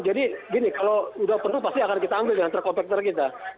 jadi gini kalau udah penuh pasti akan kita ambil dengan truk komplekser kita